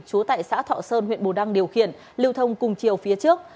chú tại xã thọ sơn huyện bù đăng điều khiển lưu thông cùng chiều phía trước